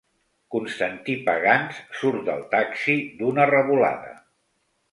Constantí Pagans surt del taxi d'una revolada.